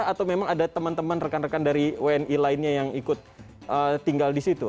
atau memang ada teman teman rekan rekan dari wni lainnya yang ikut tinggal di situ